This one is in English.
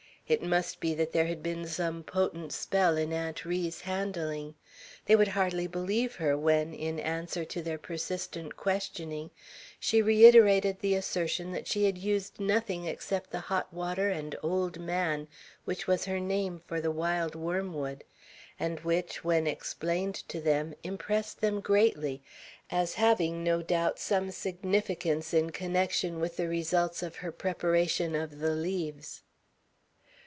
It must be that there had been some potent spell in Aunt Ri's handling. They would hardly believe her when, in answer to their persistent questioning, she reiterated the assertion that she had used nothing except the hot water and "old man," which was her name for the wild wormwood; and which, when explained to them, impressed them greatly, as having no doubt some significance in connection with the results of her preparation of the leaves.